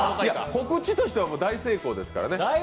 告知としては大成功ですからね。